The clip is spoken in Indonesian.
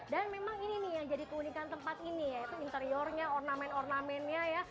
dan memang ini nih yang jadi keunikan tempat ini ya itu interiornya ornamen ornamennya ya